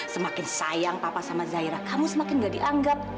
semakin sayang papa sama zahira kamu semakin enggak dianggap